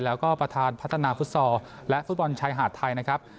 แล้วก็ประธานพัฒนาฟุตซอลและฟุตบอลชายหาดไทยนะครับ